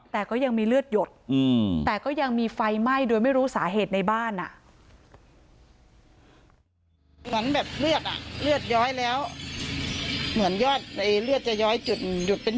แต่ก็ยังมีไฟไหม้โดยไม่รู้สาเหตุในบ้าน